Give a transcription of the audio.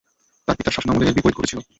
তাঁর পিতার শাসনামলে এর বিপরীত ঘটেছিল।